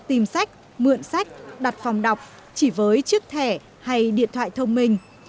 tìm sách mượn sách đặt phòng đọc chỉ với chiếc thẻ hay điện thoại thông minh